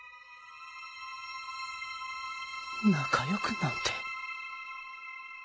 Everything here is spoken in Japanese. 仲良くなんて。